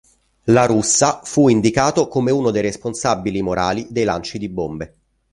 La Russa fu indicato come uno dei responsabili morali dei lanci di bombe.